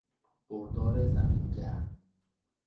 بردار زمینگرد